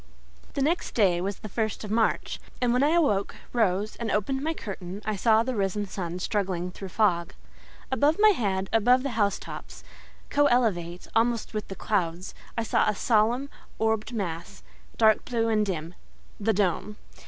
The next day was the first of March, and when I awoke, rose, and opened my curtain, I saw the risen sun struggling through fog. Above my head, above the house tops, co elevate almost with the clouds, I saw a solemn, orbed mass, dark blue and dim—THE DOME.